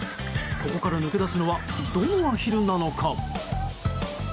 ここから抜け出すのはどのアヒルなのか。